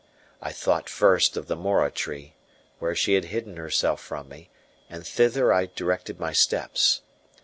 I thought first of the mora tree, where she had hidden herself from me, and thither I directed my steps.